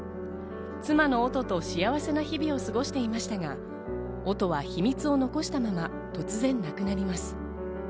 妻の音と幸せな日々を過ごしていましたが、音は秘密を残したまま、突然亡くなります。